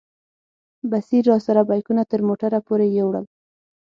بصیر راسره بیکونه تر موټره پورې یوړل.